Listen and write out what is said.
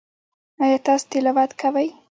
ایا تاسو تلاوت کوئ؟